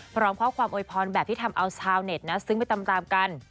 พร้อมข้อความโวยพรแบบที่ทำเอาชาวเน็ตนะซึ้งไปตามกัน